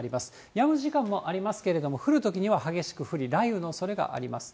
やむ時間もありますけれども、降るときには激しく降り、雷雨のおそれがあります。